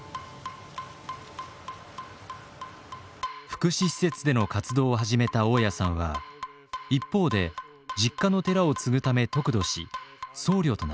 福祉施設での活動を始めた雄谷さんは一方で実家の寺を継ぐため得度し僧侶となりました。